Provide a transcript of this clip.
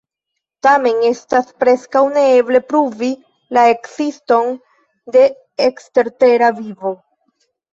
Tamen estas preskaŭ ne eble, pruvi la ekziston de ekstertera vivo.